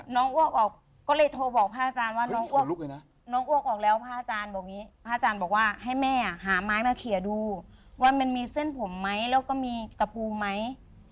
น้องอ้วกออกก็เลยโทรบอกพ่ออาจารย์ว่าน้องอ้วกออกแล้วพ่ออาจารย์บอกว่าให้แม่หาไม้มาเขียนดูว่ามันมีเส้นผมไหมแล้วก็มีตะปูไหม